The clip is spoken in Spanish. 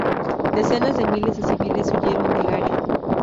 Decenas de miles de civiles huyeron del área.